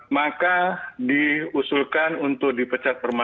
maka diusulkan untuk dipecatkan